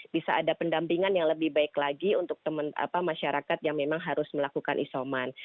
bisa ada pendampingan yang lebih baik lagi untuk masyarakat yang memang harus melakukan isoman